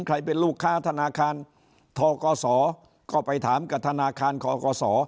ใครเป็นลูกค้าธนาคารทกศก็ไปถามกับธนาคารกศ